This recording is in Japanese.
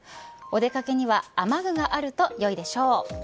お出掛けには雨具があるとよいでしょう。